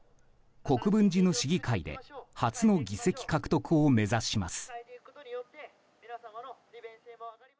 国分寺の市議会で初の議席獲得を目指します。